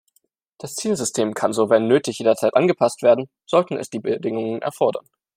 Das Zielsystem kann so wenn nötig jederzeit angepasst werden, sollten es die Bedingungen erfordern.